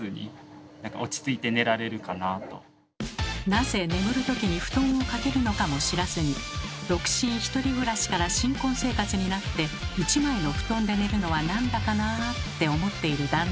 なぜ眠るときに布団をかけるのかも知らずに独身１人暮らしから新婚生活になって１枚の布団で寝るのは何だかなって思っている旦那さん。